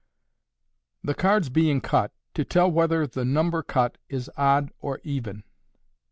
Thb Cards being Cut, to tell whether the Number Cut is Odd or Even.